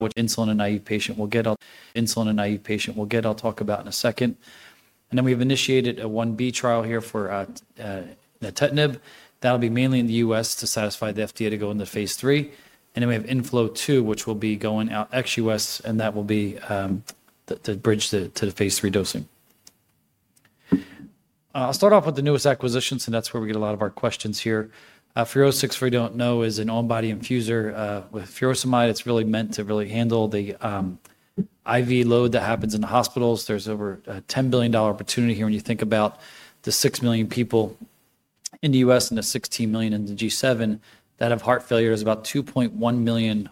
Which insulin and IU patient will get? Insulin and IU patient will get. I'll talk about in a second. We've initiated a IB trial here for nintedanib. That'll be mainly in the U.S. to satisfy the FDA to go into phase III. We have INFLOW 2, which will be going out ex-U.S., and that will be the bridge to the phase III dosing. I'll start off with the newest acquisitions, and that's where we get a lot of our questions here. FUROSCIX, for you don't know, is an on-body infuser with furosemide. It's really meant to really handle the IV load that happens in the hospitals. There's over a $10 billion opportunity here when you think about the 6 million people in the U.S. and the 16 million in the G7 that have heart failure. There's about 2.1 million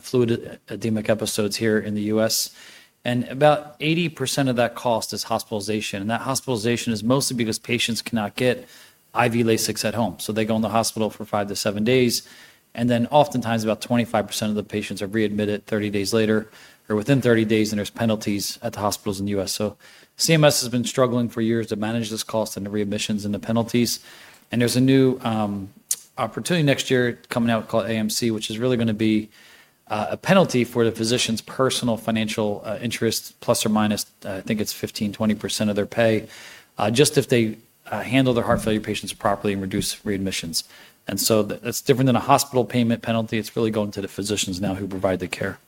fluid edemic episodes here in the U.S., and about 80% of that cost is hospitalization. That hospitalization is mostly because patients cannot get IV Lasix at home. They go in the hospital for 5-7 days, and then oftentimes about 25% of the patients are readmitted 30 days later or within 30 days, and there's penalties at the hospitals in the U.S. CMS has been struggling for years to manage this cost and the readmissions and the penalties. There's a new opportunity next year coming out called AMC, which is really gonna be a penalty for the physician's personal financial interest, plus or minus, I think it's 15%-20% of their pay, just if they handle their heart failure patients properly and reduce readmissions. That's different than a hospital payment penalty. It's really going to the physicians now who provide the care.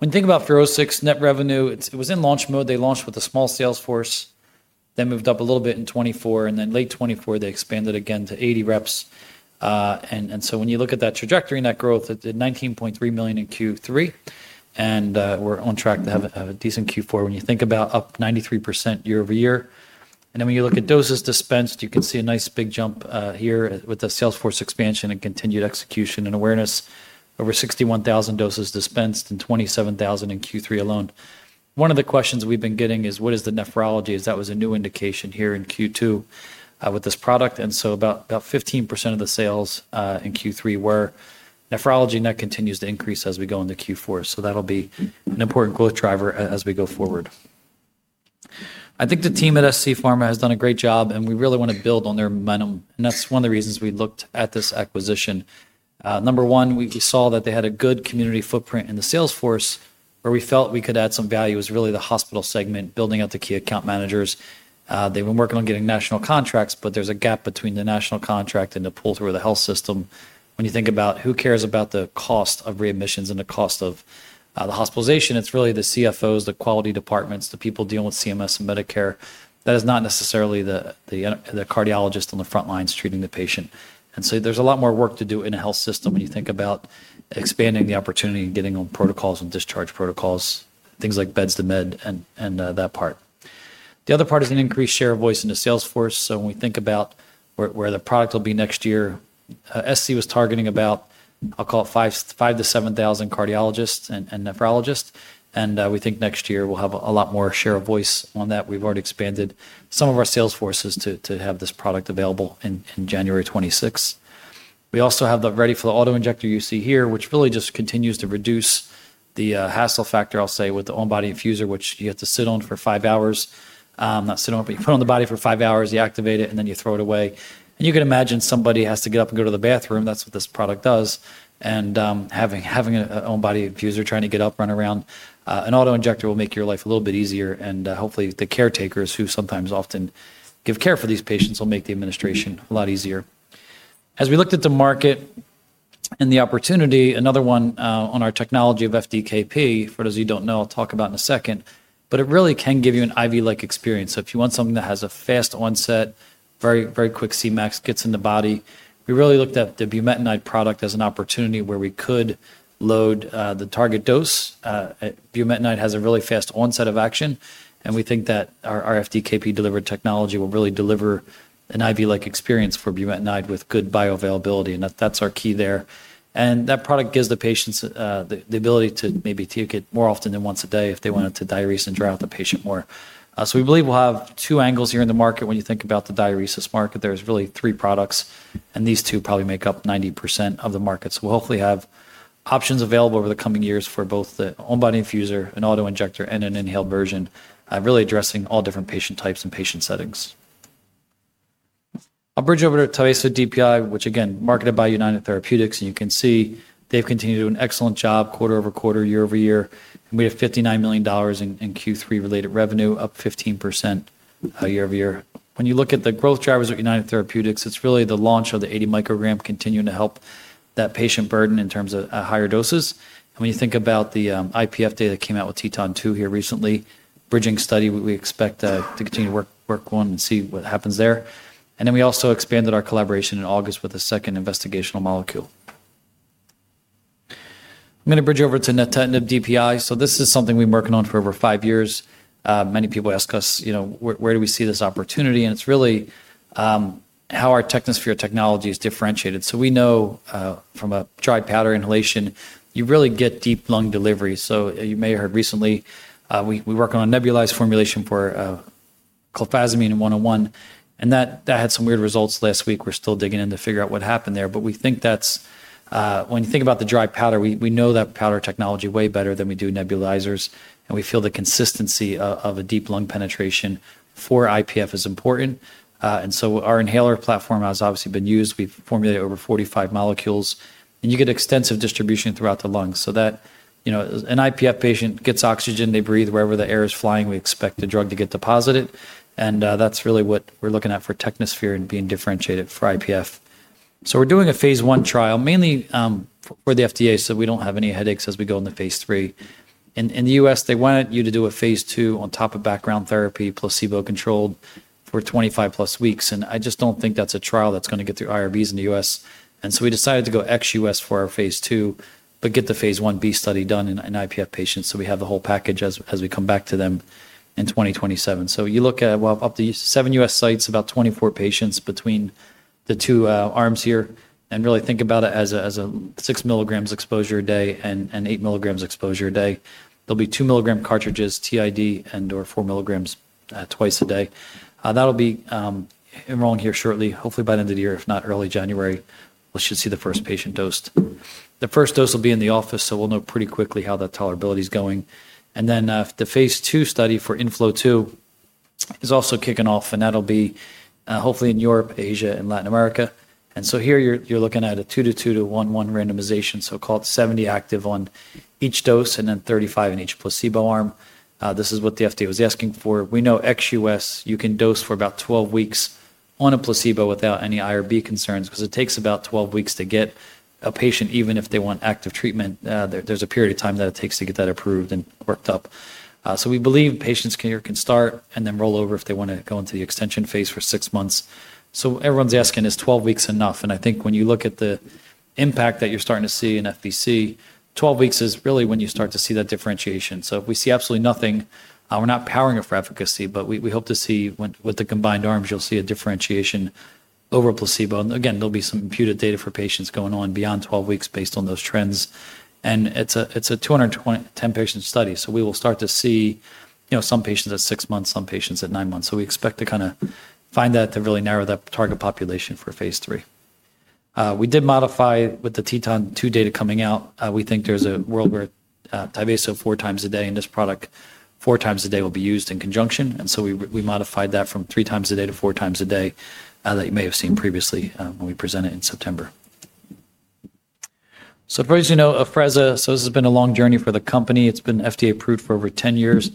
When you think about FUROSCIX net revenue, it was in launch mode. They launched with a small sales force, then moved up a little bit in 2024, and then late 2024 they expanded again to 80 reps. When you look at that trajectory and that growth, it did $19.3 million in Q3, and we're on track to have a decent Q4 when you think about up 93% year-over-year. When you look at doses dispensed, you can see a nice big jump here with the sales force expansion and continued execution and awareness, over 61,000 doses dispensed and 27,000 in Q3 alone. One of the questions we've been getting is, what is the nephrology? That was a new indication here in Q2, with this product. About 15% of the sales in Q3 were nephrology. That continues to increase as we go into Q4. That will be an important growth driver as we go forward. I think the team at scPharma has done a great job, and we really want to build on their momentum. That is one of the reasons we looked at this acquisition. Number one, we saw that they had a good community footprint in the sales force. Where we felt we could add some value is really the hospital segment, building out the key account managers. They have been working on getting national contracts, but there is a gap between the national contract and the pull through of the health system. When you think about who cares about the cost of readmissions and the cost of the hospitalization, it's really the CFOs, the quality departments, the people dealing with CMS and Medicare. That is not necessarily the cardiologist on the front lines treating the patient. There is a lot more work to do in a health system when you think about expanding the opportunity and getting on protocols and discharge protocols, things like beds to med and that part. The other part is an increased share of voice in the sales force. When we think about where the product will be next year, sc was targeting about, I'll call it 5,000-7,000 cardiologists and nephrologists. We think next year we'll have a lot more share of voice on that. We've already expanded some of our sales forces to have this product available in January 26th. We also have the ready for the autoinjector you see here, which really just continues to reduce the hassle factor, I'll say, with the on-body infuser, which you have to sit on for 5 hours. Not sit on it, but you put on the body for 5 hours, you activate it, and then you throw it away. You can imagine somebody has to get up and go to the bathroom. That's what this product does. Having an on-body infuser, trying to get up, run around, an auto injector will make your life a little bit easier. Hopefully the caretakers who sometimes often give care for these patients will make the administration a lot easier. As we looked at the market and the opportunity, another one, on our technology of FDKP, for those of you who don't know, I'll talk about in a second, but it really can give you an IV-like experience. If you want something that has a fast onset, very, very quick CMAX gets in the body. We really looked at the bumetanide product as an opportunity where we could load the target dose. Bumetanide has a really fast onset of action, and we think that our FDKP-delivered technology will really deliver an IV-like experience for bumetanide with good bioavailability. That, that's our key there. That product gives the patients the ability to maybe take it more often than once a day if they wanted to diuresis and dry out the patient more. We believe we'll have two angles here in the market. When you think about the diuresis market, there's really three products, and these two probably make up 90% of the market. We'll hopefully have options available over the coming years for both the on-body infuser, an auto injector, and an inhaled version, really addressing all different patient types and patient settings. I'll bridge over to Tyvaso DPI, which again, marketed by United Therapeutics. You can see they've continued to do an excellent job quarter over quarter, year-over-year. We have $59 million in Q3 related revenue, up 15% year-over-year. When you look at the growth drivers at United Therapeutics, it's really the launch of the 80 µg continuing to help that patient burden in terms of higher doses. When you think about the IPF data that came out with TETON 2 here recently, bridging study, we expect to continue to work on and see what happens there. We also expanded our collaboration in August with a second investigational molecule. I'm gonna bridge over to nintedanib DPI. This is something we've been working on for over 5 years. Many people ask us, you know, where do we see this opportunity? It's really how our Technosphere technology is differentiated. We know from a dry powder inhalation, you really get deep lung delivery. You may have heard recently, we work on a nebulized formulation for clofazimine in 101, and that had some weird results last week. We're still digging in to figure out what happened there. We think that's, when you think about the dry powder, we know that powder technology way better than we do nebulizers. We feel the consistency of a deep lung penetration for IPF is important, and our inhaler platform has obviously been used. We've formulated over 45 molecules, and you get extensive distribution throughout the lungs. That, you know, an IPF patient gets oxygen, they breathe wherever the air is flying. We expect the drug to get deposited. That's really what we're looking at for Technosphere and being differentiated for IPF. We're doing a phase I trial mainly for the FDA so we don't have any headaches as we go into phase III. In the U.S., they wanted you to do a phase II on top of background therapy, placebo-controlled for 25+ weeks. I just don't think that's a trial that's gonna get through IRBs in the U.S. We decided to go ex-U.S. for our phase II, but get the phase IB study done in IPF patients. We have the whole package as we come back to them in 2027. You look at up to seven U.S. sites, about 24 patients between the two arms here. Really think about it as a 6 mg exposure a day and 8 mg exposure a day. There will be 2 mg cartridges TID and/or 4 mg twice a day. That will be enrolling here shortly, hopefully by the end of the year, if not early January, we should see the first patient dosed. The first dose will be in the office, so we'll know pretty quickly how that tolerability's going. The phase II study for inflow two is also kicking off, and that'll be, hopefully in Europe, Asia, and Latin America. Here you're looking at a 2:2 to 1:1 randomization, so call it 70 active on each dose and then 35 in each placebo arm. This is what the FDA was asking for. We know ex-U.S., you can dose for about 12 weeks on a placebo without any IRB concerns 'cause it takes about 12 weeks to get a patient, even if they want active treatment. There is a period of time that it takes to get that approved and worked up. We believe patients here can start and then roll over if they wanna go into the extension phase for 6 months. Everyone's asking, is 12 weeks enough? I think when you look at the impact that you're starting to see in FDC, 12 weeks is really when you start to see that differentiation. If we see absolutely nothing, we're not powering it for efficacy, but we hope to see when, with the combined arms, you'll see a differentiation over placebo. Again, there'll be some imputed data for patients going on beyond 12 weeks based on those trends. It's a 220, 210 patient study. We will start to see, you know, some patients at 6 months, some patients at 9 months. We expect to kind of find that to really narrow that target population for phase III. We did modify with TETON 2 data coming out. We think there's a world where, Tyvaso 4x a day and this product four times a day will be used in conjunction. We modified that from three times a day to four times a day, that you may have seen previously, when we presented in September. For those who know AFREZZA, this has been a long journey for the company. It's been FDA-approved for over 10 years.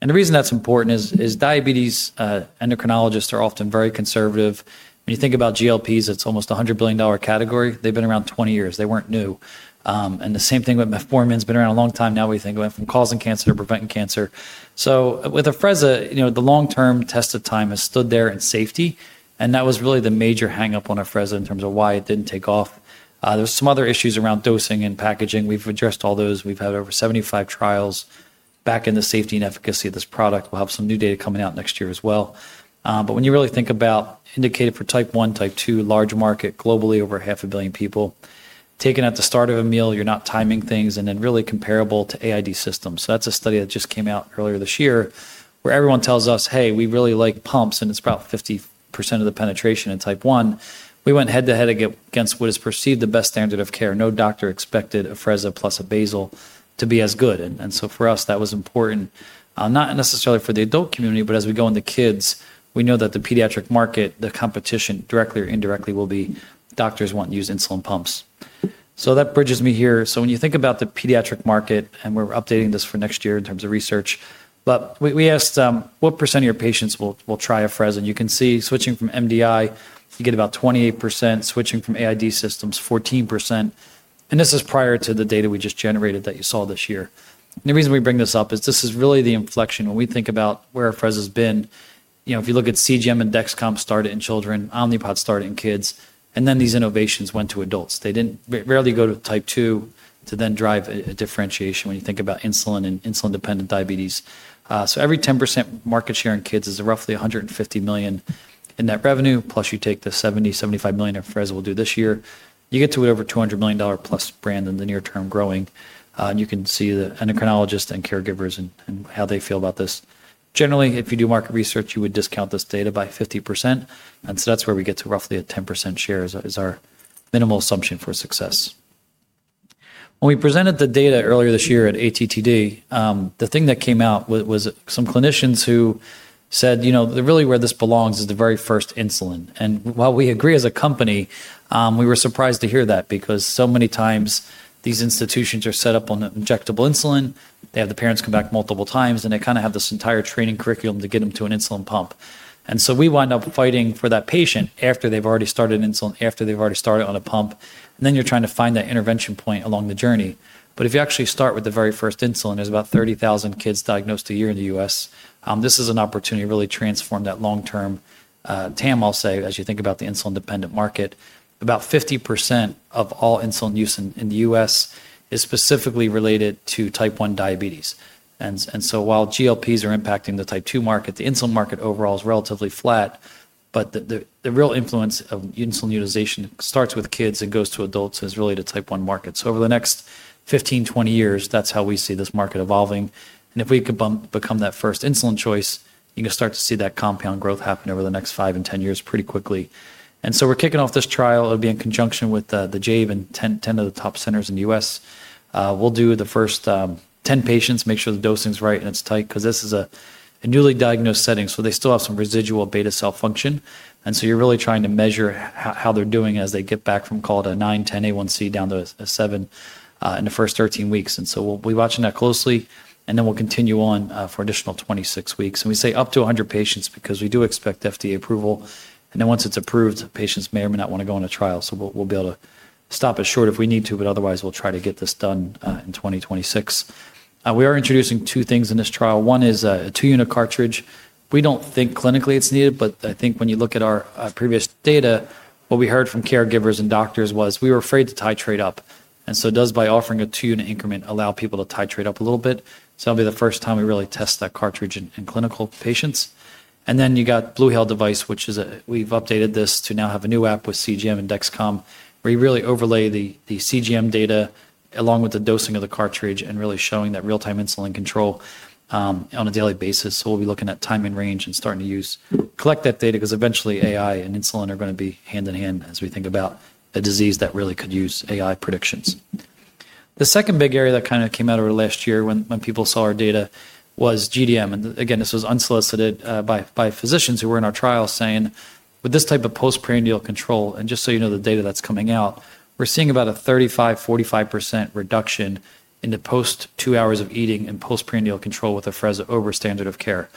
The reason that's important is, diabetes endocrinologists are often very conservative. When you think about GLPs, it's almost a $100 billion category. They've been around 20 years. They weren't new. The same thing with metformin, it's been around a long time. Now we think of it from causing cancer to preventing cancer. With AFREZZA, you know, the long-term tested time has stood there in safety. That was really the major hangup on AFREZZA in terms of why it didn't take off. There's some other issues around dosing and packaging. We've addressed all those. We've had over 75 trials backing the safety and efficacy of this product. We'll have some new data coming out next year as well. When you really think about indicated for type 1, type 2, large market globally, over half a billion people, taken at the start of a meal, you're not timing things and then really comparable to AID systems. That's a study that just came out earlier this year where everyone tells us, "Hey, we really like pumps," and it's about 50% of the penetration in type 1. We went head to head against what is perceived the best standard of care. No doctor expected AFREZZA plus a basal to be as good. For us, that was important, not necessarily for the adult community, but as we go into kids, we know that the pediatric market, the competition directly or indirectly will be doctors who won't use insulin pumps. That bridges me here. When you think about the pediatric market, and we're updating this for next year in terms of research, we asked, what % of your patients will try AFREZZA? You can see switching from MDI, you get about 28%, switching from AID systems, 14%. This is prior to the data we just generated that you saw this year. The reason we bring this up is this is really the inflection when we think about where AFREZZA's been. You know, if you look at CGM and Dexcom started in children, Omnipod started in kids, and then these innovations went to adults. They didn't rarely go to type 2 to then drive a, a differentiation when you think about insulin and insulin-dependent diabetes. Every 10% market share in kids is roughly $150 million in net revenue. Plus you take the $70 million-$75 million AFREZZA we'll do this year, you get to it over $200+ million brand in the near term growing. You can see the endocrinologists and caregivers and how they feel about this. Generally, if you do market research, you would discount this data by 50%. That's where we get to roughly a 10% share is our minimal assumption for success. When we presented the data earlier this year at ATTD, the thing that came out was some clinicians who said, you know, really where this belongs is the very first insulin. While we agree as a company, we were surprised to hear that because so many times these institutions are set up on injectable insulin. They have the parents come back multiple times, and they kind of have this entire training curriculum to get 'em to an insulin pump. We wind up fighting for that patient after they've already started insulin, after they've already started on a pump. You are trying to find that intervention point along the journey. If you actually start with the very first insulin, there are about 30,000 kids diagnosed a year in the U.S. This is an opportunity to really transform that long-term, TAM, I'll say, as you think about the insulin-dependent market. About 50% of all insulin use in the U.S. is specifically related to type 1 diabetes. While GLPs are impacting the type 2 market, the insulin market overall is relatively flat. The real influence of insulin utilization starts with kids and goes to adults and is related to the type 1 market. Over the next 15-20 years, that's how we see this market evolving. If we could become that first insulin choice, you can start to see that compound growth happen over the next 5 and 10 years pretty quickly. We're kicking off this trial. It'll be in conjunction with the JDRF and 10 of the top centers in the U.S. We'll do the first 10 patients, make sure the dosing's right and it's tight 'cause this is a newly diagnosed setting. They still have some residual beta cell function. You are really trying to measure how they are doing as they get back from, call it a 9, 10 A1C down to a 7, in the first 13 weeks. We will be watching that closely, and then we will continue on for an additional 26 weeks. We say up to 100 patients because we do expect FDA approval. Once it is approved, patients may or may not want to go into trial. We will be able to stop it short if we need to, but otherwise we will try to get this done in 2026. We are introducing two things in this trial. One is a two-unit cartridge. We do not think clinically it is needed, but I think when you look at our previous data, what we heard from caregivers and doctors was we were afraid to titrate up. Does by offering a two-unit increment allow people to titrate up a little bit? That'll be the first time we really test that cartridge in clinical patients. You got BluHale Device, which is a, we've updated this to now have a new app with CGM and Dexcom where you really overlay the CGM data along with the dosing of the cartridge and really showing that real-time insulin control on a daily basis. We'll be looking at timing range and starting to use, collect that data 'cause eventually AI and insulin are gonna be hand in hand as we think about a disease that really could use AI predictions. The second big area that kind of came out over last year when people saw our data was GDM. This was unsolicited, by physicians who were in our trial saying with this type of postprandial control, and just so you know the data that's coming out, we're seeing about a 35%-45% reduction in the post 2 hours of eating and postprandial control with AFREZZA over standard of care.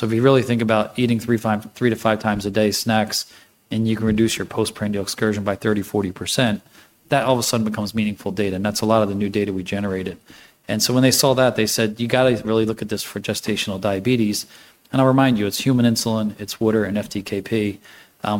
If you really think about eating 3-5 times a day, snacks, and you can reduce your postprandial excursion by 30%-40%, that all of a sudden becomes meaningful data. That's a lot of the new data we generated. When they saw that, they said, you gotta really look at this for gestational diabetes. I'll remind you, it's human insulin, it's water and FDKP.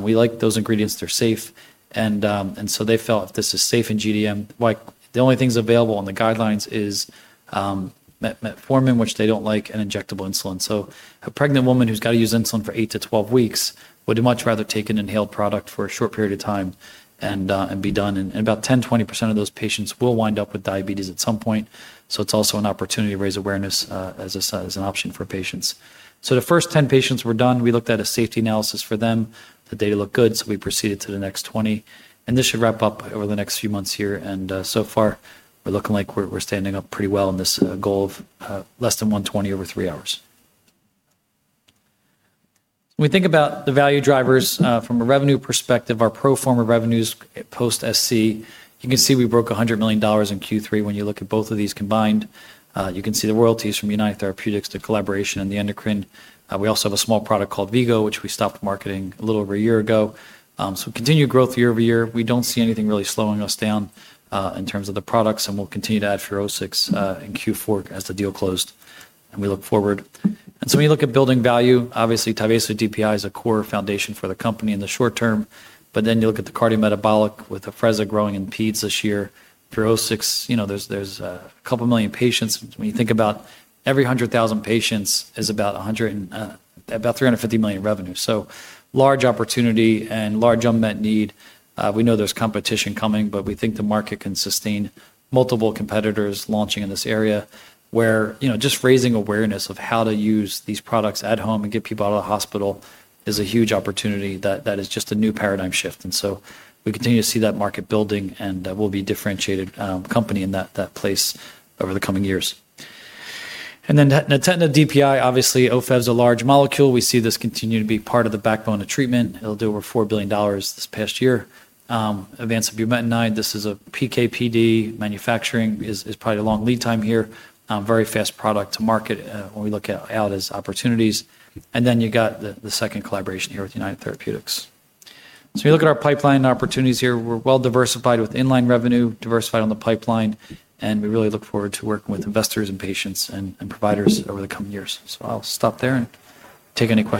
We like those ingredients. They're safe. They felt if this is safe in GDM, why the only things available on the guidelines is metformin, which they do not like, and injectable insulin. A pregnant woman who has to use insulin for 8-12 weeks would much rather take an inhaled product for a short period of time and be done. About 10%-20% of those patients will wind up with diabetes at some point. It is also an opportunity to raise awareness as an option for patients. The first 10 patients were done. We looked at a safety analysis for them. The data looked good, so we proceeded to the next 20. This should wrap up over the next few months here. So far we are looking like we are standing up pretty well in this goal of less than 120 over three hours. When we think about the value drivers, from a revenue perspective, our pro forma revenues post SC, you can see we broke $100 million in Q3. When you look at both of these combined, you can see the royalties from United Therapeutics to collaboration and the endocrine. We also have a small product called Vigo, which we stopped marketing a little over a year ago. Continued growth year-over-year. We do not see anything really slowing us down, in terms of the products. We will continue to add FUROSCIX, in Q4 as the deal closed. We look forward. When you look at building value, obviously Tyvaso DPI is a core foundation for the company in the short term. Then you look at the cardiometabolic with AFREZZA growing in peds this year, FUROSCIX, you know, there is, there is, a couple million patients. When you think about every 100,000 patients is about $350 million in revenue. Large opportunity and large unmet need. We know there's competition coming, but we think the market can sustain multiple competitors launching in this area where, you know, just raising awareness of how to use these products at home and get people outta the hospital is a huge opportunity that is just a new paradigm shift. We continue to see that market building and we'll be differentiated, company in that place over the coming years. Nintedanib DPI, obviously Ofev's a large molecule. We see this continue to be part of the backbone of treatment. It'll do over $4 billion this past year. Advance of bumetanide, this is a PK/PD manufacturing is probably a long lead time here. Very fast product to market, when we look at out as opportunities. Then you got the second collaboration here with United Therapeutics. We look at our pipeline opportunities here. We're well diversified with inline revenue, diversified on the pipeline, and we really look forward to working with investors and patients and providers over the coming years. I'll stop there and take any questions.